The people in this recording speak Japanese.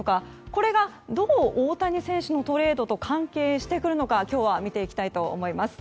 これがどう大谷選手のトレードと関係しているのか今日は見ていきたいと思います。